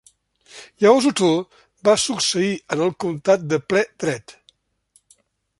Llavors Otó va succeir en el comtat de ple dret.